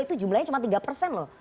itu jumlahnya cuma tiga persen loh